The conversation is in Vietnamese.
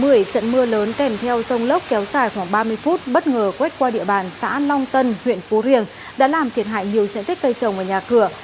hôm một mươi trận mưa lớn kèm theo dông lốc kéo xoáy khoảng ba mươi phút bất ngờ quét qua địa bàn xã long tân huyện phú riềng đã làm thiệt hại nhiều diện tích cây trồng ở nhà cửa